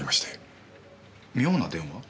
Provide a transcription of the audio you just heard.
妙な電話？